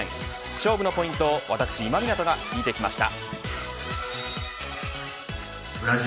勝負のポイントを私今湊が聞いてきました。